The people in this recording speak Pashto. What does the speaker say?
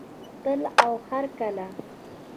تل او هرکله.